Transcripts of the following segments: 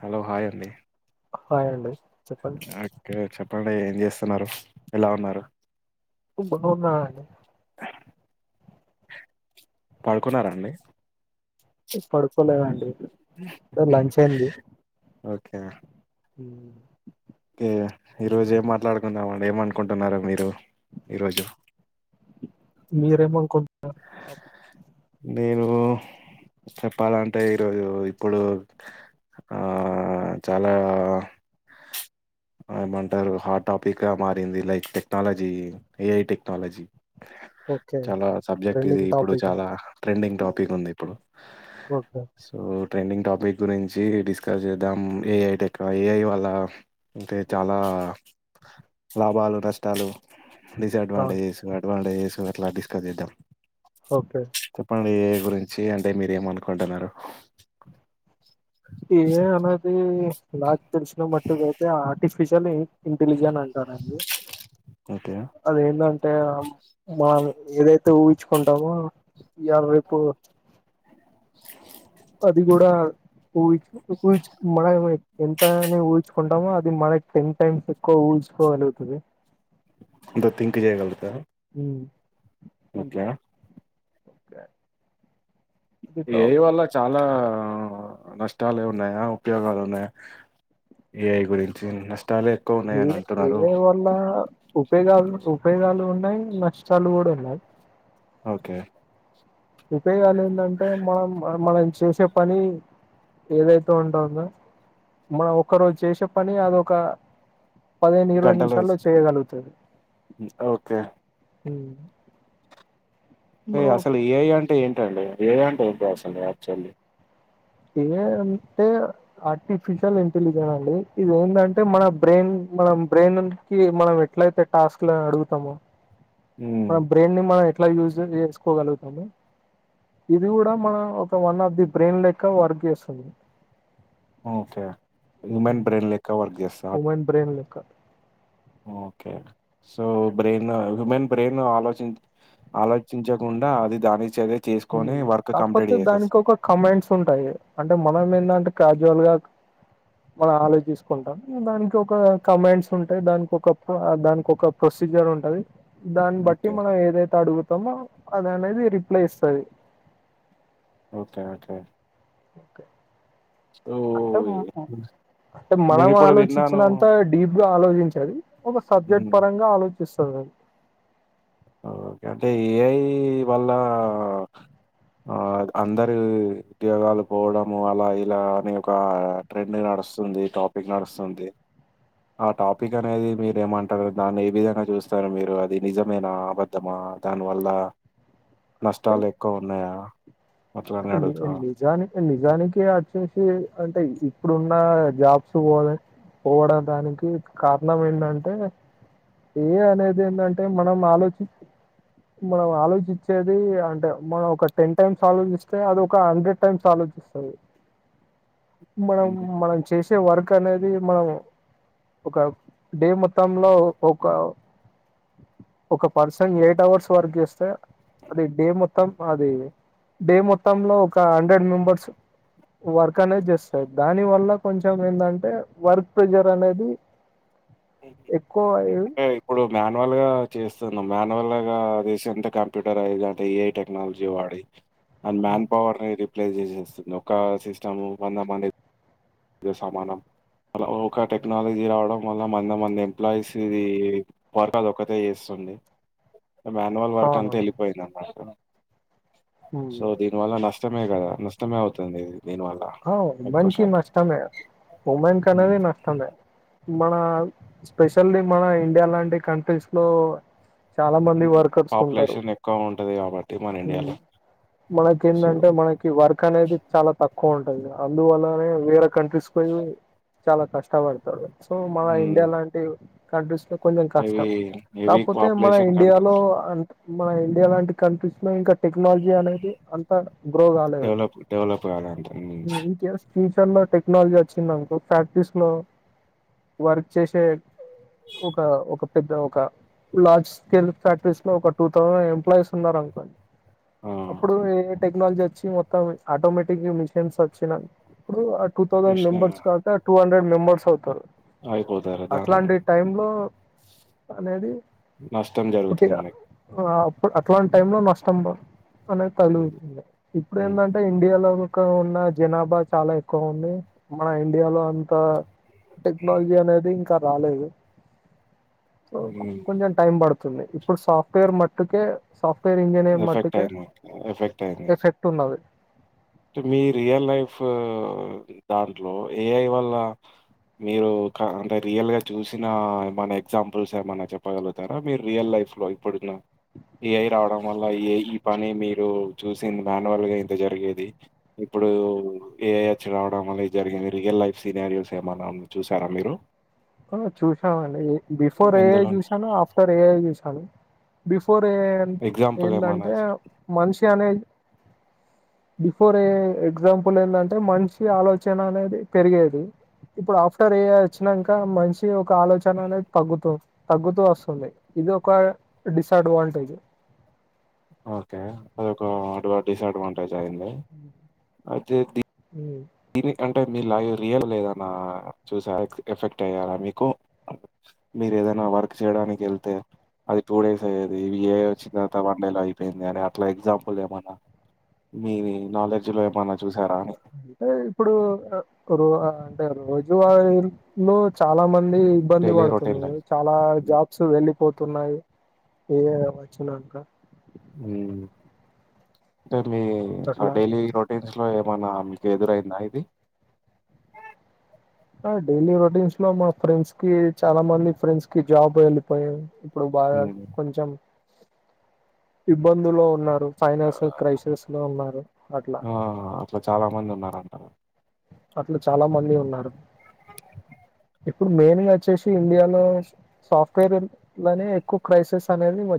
Hello hi అండి hi అండి చెప్పండి అకే చెప్ చెప్పండి ఏం చేస్తున్నారు ఎలా ఉన్నారు ఉ బాగున్నండి పడుకున్నారండి పడుకోలే అండి లంచ్ అయింది ఓకే ఉ కే ఈ రోజు ఏం మాట్లాడుకుందామండి ఏమ అనుకుంటున్నారు మీరు ఈరోజు మీరేమనుకున్నారు ఆ నేను చెప్పాలంటే ఈరోజు ఇప్పుడు ఆ చాలా ఏమంటారు హాట్ టాపిక్ గా మారింది like technology AI technology okay చాలా సబ్జెక్ట్ ఇది. ట్రెండింగ్ ఇప్పుడు టాపిక్ చాలా ట్రెండింగ్ టాపిక్ ఉంది ఇప్పుడు. ఓకే సో ట్రెండింగ్ టాపిక్ గురించి డిస్కస్ చేద్దాం ఏఐ టెక్ ఏఐ వాళ్ళ అంటే చాలా లాభాలు నష్టాలు డిసడ్వాంటేజెస్ అడ్వాంటేజెస్ అట్లా డిస్కస్ చేద్దాం. ఓకే మీ ఏఐ గురించి అంటే మీరు ఏమనుకుంటున్నారు? ఏఐ అనేది నాక్ తెలిసినమటుకితే అయితే ఆ ఆంటీస్ పిసాలి ఇంటెలిజెంట్ అంటారండి ఓకే అది ఏంటంటే మా ఏదైతే చుయిన్చుకుంటాము ఇయ్యాల రేపు అది కూడా ఊహు ఊహించు మన ఏమ ఎంతని ఊహచుకుంటామో ద మనకి టెన్ టైమ్స్ ఎక్కు ఉహించుకోగలుగుతది ఏదో తింక్ చేయగలుగుతారా మ్మ్ ఓకే ఓకే ఏ ఐ వల్ల చాల లా నష్టాలే ఉన్నాయా ఉపయోగాలు ఉన్నాయా ఏ ఐ గురించి న ఏ ఏ వల్ల ఉపయోగాలు ఉపయోగాలు ఉ న్నాయి నష్టాలు కూడ ఉన్నాయ్ ఓకే ఉపయోగాలు ఏంటంటే మనం మనం చేసే పని ఏదైతే ఉంటుందో మనం ఒక్కరోజు చేసే పని అదొక పదిహేను ఇరవై గంటలో నిమిషాల్లో ఇస్తా. చేయగలుగుతది ఓకే మ్మ్ అసలు ఏ ఐ అంటే ఏంటి ఏ ఐ అంటే ఏంటి అస్సల్ యాక్టియల్లీ ఏ ఐ అంటే ఆర్టిఫిషియల్ ఇంటెలిజెన్స్ అండి ఇది ఏంటంటే మన బ్రెయిన్ మనం బ్రెయిన్ కి మనం ఎట్లయితే టాస్క్ లు అడుగుతామో హ్మ్. మ బ్రెయిన్ ని మన ట్లా యూసేజ్ చేసుకోగలుగుతామో ఇది కూడా మన ఒక వన్ ఆఫ్ ది బ్రెయిన్ లెక్క వర్క్ చేస్తుంది ఓకే హ్యూమన్ బ్రెయిన్ లెక్క వర్క్ చేస్సా ఉమెన్ బ్రెయిన్ లెక్క okay so brain human brain ఆలోచిం ఆలోచించకుండా అది దాని చదే చేసుకొని వర్క్ కంప్లీట్ కాకపోతే దానికి చేసేస్తది. ఒక కమెంట్స్ ఉంటాయి. అంటే మనం ఏందంటే కాజువల్ గా మనం ఆలోచిసుకుంటా దానికి ఒక కమాండ్స్ ఉంటయ్, దానికొకప్ప దానికి కొక ప్రొసీజర్ ఉంటది. దాని బట్టి ఓకే. మనం ఏదైతే అడు త్తమ అదినేది రిప్లేస్ సది ఓకే ఓకే ఓకే సో, అంటే హ్మ్. అంటే మనం నేనిప్పుడు విన్నాను ఆలోచించినంత డీప్ గా ఆలో ఇంచాలి. ఒక సబ్జెక్ట్ హ్మ్. పరంగా ఆలో సరెన్ ఓకే అంటే ఏ ఐ వల్ల అందరి ఉద్యోగాలు పోవడము అలా ఇలా అనే ఒక ట్రెండ్ నడుస్సుంది, టాపిక్ నడుస్సుంది, ఆ టాపిక్ అనేది మీరు ఏమంటారు దాన్ని ఏ విధంగా చూస్సరు మీరు అది నిజమేనా అబద్ధమా దానివల్ల నష్టాలు ఎక్కువ ఉన్నయా ఎండి ఎండి నిజాని నిజానికి అచ్చేసి అంటే ఇప్పుడున్న జాబ్స్ పోలె పోవడం దానికి కారణం ఏంటంటే ఏఐ అనేది ఏంటంటే మనం ఆలోచి, మనం ఆలోచించేది అంటే మనం ఒక టెన్ టైమ్స్ ఆలోస్ తే అది ఒక హండ్రెడ్ టైమ్స్ ఆలోచిస్సది. మనం హ్మ్. మనం చేసే వర్ కనేది మనం ఒక డే మొత్తంలో ఒక, ఒక పర్సన్ ఎయిట్ అవర్స్ వర్క్ చేస్తే అది డే మొత్తం అది డే మొ త్తంలో ఒక హండ్రెడ్ మెంబర్స్ వర్క్ అనేది చేస్స దాని వల్ల కొంచెం ఏంటంటే వర్క్ ప్రెజర్ అనేది ఎక్కువ అయి అంటే ఇప్పుడు మాన్వల్ గా చేస్ సున్నం మాన్యువల్ గా తీస ఎంత కంప్యూటర్ ఐది అంటే ఏ ఐ టెక్నాలజీ వాడి అన్ మాన్ పవర్ని రి పేర్ చేసేస్సది, ఒక సిస్టమ్ వంద మంది దో సమానం అలా ఒక టెక్నాలజీ రావడం వల్ల మంద మంది ఎంప్లాయీస్ ఇది వర్క్ అదొకటే ఎస్సుంది. మాన్యువల్ వర్క్ అంతా అవునవును వెళ్ళిపోయింది అనమాట హ్మ్. సో దీని వల్ల నష్టమే కదా నష్టమే అవ్ తొమ్మిది అ మంకి నష్ట మె ఉమెన్ హ్మ్. కనేది నష్టమే మన స్పెషల్లీ మన ఇండియా లాంటి కంట్రీస్ లో చాలా మంది హ్మ్. వర్కర్స్ ఉంటరు, పాపులేషన్ ఎక్కువ ఉంటది గాబట్టి మన హు ఇండియాలో. మనకి సో ఏందంటే మనకి వర్క్ అనేది చాలా తక్ ఎక్కువ ఉంటది అందువల్లనే వేర్ కంట్రీస్ పోయి చాలా కష్టపడతారు సో మన ఇండియా హ్మ్. లాంటి కంట్రీస్ లో కొంచెం హెవీ, కష్టం హెవీ కాకపోతే మన పాపులేషన్ ఇండియాలో కంట్రీస్ అ మన ఇండియా లాంటి కనిపిస్తున్నా ఇంకా టెక్నాలజీ అనేది అంత గ్రో డవలప్ డవలప్ కాలేఅంత నిది కెల్లా ఫ్యూచర్ లో టెక్నాలజీ వచ్చిందంకో ఫ్యాక్టరీస్ లో వర్క్ చేసే ఒక ఒక పెద్ద ఒక లార్జ్ స్కేల్ ఫ్యాక్టరీస్ లో ఒక టూ థౌసండ్ ఎంప్లాయస్ ఉన్నారు అనుకోండి ఆ! అప్పుడు ఏ టెక్నాలజీ వచ్చి మొత్తం ఆటోమేటిక్ మచ్ టెమ్స్ వచ్చిన ఇప్పుడు టూ థౌసండ్ కృష్ణ మెంబస్ కాక టూం మెంబర్స్ అవుతారు అయిపోతారు. దాని అట్లాంటి టై లో అనేది నష్టం జరుగుతుంది పుట్టిగా మనకి. ఇప్పుడు అట్లాంటి టై లో నష్టం అనే కలుగుతుంది ఇప్పుడు హ్మ్. ఏందంటే ఇండియాలో ఉన్న జనాభా చాలా ఎక్కువ ఉంది మన ఇండియాలో అంత టెక్నాలజీ అనేది ఇంకా రాలేదు సో హ్మ్. కొంచెం టైం పడుతుంది ఇప్పుడు సాఫ్ట్వేర్ మట్టుకే సాఫ్ట్వేర్ ఇంజనీర్ ఎఫెక్ట్ మట్టుకే అయింది. ఎఫెక్ట్ అయింది. ఎఫెక్ట్ ఉన్నది మీ రియల్ లైఫ్ దాంట్లో ఏఐ వల్ల మీరు అంటే రియల్గా చూసిన ఏమైనా ఎగ్జాంపుల్స్ ఏమైనా చెప్పగలుగుతారా మీరు రియల్ లైఫ్ లో ఇప్పుడున్న ఏఐ రావడం వల్ల ఏ ఈ పని మీరు చూసింది మాన్యువల్గా అయితే జరిగేది ఇప్పుడు ఏఐ ఏచ్ రావడం వల్ల జరిగింది రియల్ లైఫ్ సినారియల్స్ ఏమన్నా చూసారా మీరు చూసామండి బిఫోర్ ఏఐ ఎందులోని చూసాను ఆఫ్టర్ ఏఐ చూసాను బిఫో ఫోర్ ఎగ్జాంపుల్ ఏమన్నా ఏంటంటే మనిషి అనే బిఫోర్ ఏఐ ఎగ్జాంపుల్ ఏందంటే మనిషి ఆలోచన అనేది పెరిగేది ఇప్పుడు ఆఫ్టర్ ఏఐ వచ్చినంక ఇ మంచి ఒక ఆలోచన అనేది తగ్గుతు తగ్గుతూ వస్తుంది. ఇది ఒక డిసడ్వాంటేజ్ ఓకే అదొక అడ్ డిసఅడ్వాంటేజ్ అయింది అయితే [inaudible] దీని అంటే మీ లైవ్ రియల్లో ఏదైనా చూసార ఎఫెక్ట్ అయ్యారా మీకు మీరు ఏదైనా వర్క్ చేయడానికి వెళ్తే అది టూ డేస్ అయ్యేది ఇ ఏఐ వచ్చిన తర్వాత వన్ డేలో అయిపోయింది అని అట్లా ఎగ్జాంపుల్ ఏమైనా మీ నాలెడ్జ్లో ఏమైనా చూసారా? అని? అంటే ఇప్పుడు రో అంటే రోజువారిలో చాలా మంది ఇబ్బంది డైలీ పడుతుంది రొటీన్‌లో. చాలా హ్మ్. జాబ్స్ వెళ్ళి పోతున్నాయి ఏఐ వచ్చినాక హ్మ్ మీ అట్లా డైలీ రొటీన్ లో ఏమైనా మీకు ఎదురైందా ఇది ఆ డైలీ రొటీన్స్ లో మా ఫ్రెండ్స్ కి చాలా మంది ఫ్రెండ్స్ కి జాబ్ వెళ్ళిపోయయి. ఇప్పుడు బాగా హ్మ్. కొంచెం ఇబ్బందులో ఉన్నారు ఫైనాన్స్ క్రైసిస్ లో ఉన్నారు అట్లా ఆ! అట్లా చాలామందున్నారంట. అట్ల చాలా మంది ఉన్నారు ఇప్పుడు మెయిన్ గా వచ్చేసి ఇండియాలో సాఫ్ట్వేర్ లోని ఎక్కువ క్రైసిస్ అనేది వ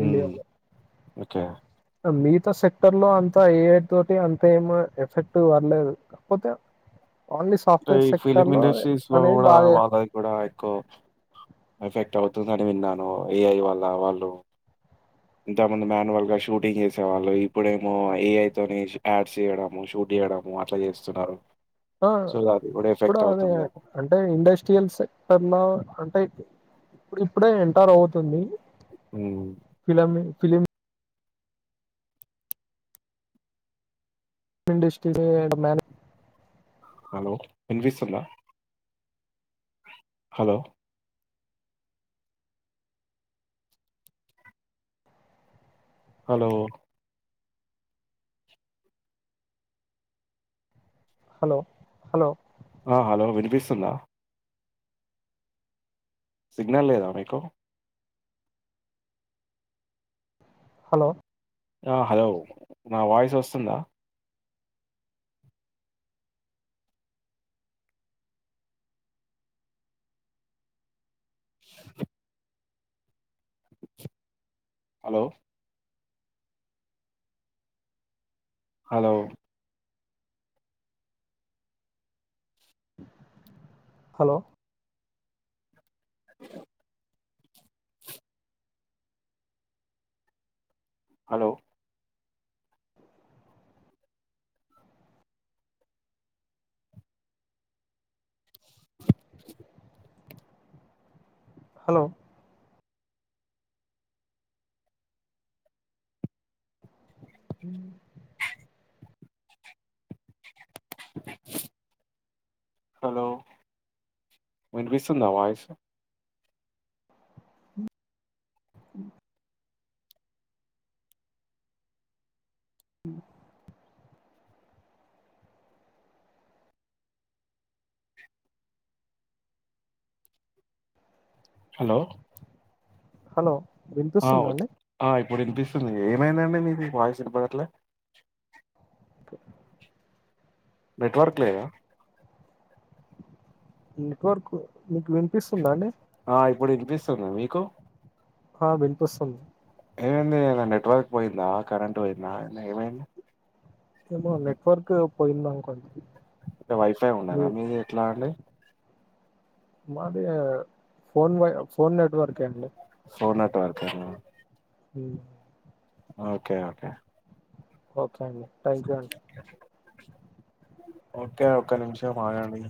ఉం ఓకే మిగతా సెక్టర్ లో అంత ఏఐ తోటి అంత ఏం ఎఫెక్ట్ పర్లేదు కాకపోతే ఓన్లీ అంటే సాఫ్ట్వేర్ ఈ సెక్టర్ ఫిలిం లో ఇండస్ట్రీస్ లో అనేది కూడా బాగా వాల్లది కూడా ఎక్కువ ఎఫెక్ట్ అవుతుందని విన్నాను ఏఐ వాల్ళ వాళ్ళు ఇంతమంది మాన్యువల్ గా షూటింగ్ చేసే వాళ్ళు ఇప్పుడేమో ఏఐ తోని యాడ్స్ చేయడము షూట్ చేయడము అట్లా చేస్తున్నారు ఆ ఇప్పుడు అదే అంటే ఇండస్ట్రియల్ సెక్టర్ లో అంటే ఇప్పుడు ఇప్పుడే ఎంటర్ అవుతుంది హ్మ్. ఫిలిం ఫిలిమ్ ఇండస్ట్రీ హడ్ మన్ హలో వినిపిస్తుందా హలో హలో హలో హలో ఆ హలో వినిపిస్తుందా సిగ్నల్ లేదా మీకు హలో హలో నా వాయిస్ వస్తుందా [inaudible] hello hello hello [inaudible] hello hello [inaudible] hello విపిస్తుంద వాయిస్ [inaudible] హలో హలో వినిపిస్తుందా అండి ఆ ఇప్పుడూ వినిపిస్తుంది ఏమైందండి మీది వాయిస్ వినపడట్ల నెట్వర్క్ లేద నెట్వర్క్ నీకు వినిపిస్తుందాండి ఆ ఇప్పుడు వినిపిస్తుంది మీకు హా వినిపిస్తుంది ఏమైంది ఏదన్న నెట్వర్క్ పోయిందా కరెంట్ పోయిందా ఏమైంది. ఏమో నెట్వర్క్ పోయింది అనుకోండి. ద వైఫై ఉండధ మీది ఎట్లా అండి. మాది ఫోన్ వై ఫోన్ నెట్వర్క్ అండి ఫోన్ నెట్వర్కేనా హ్ ఓకే ఓకే ఓకే అండి థ్యాంక్ యూ అండి ఓకే ఒక్క నిముషం ఆగండి